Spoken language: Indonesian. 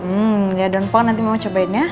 hmm gak ada downpour nanti mama cobain ya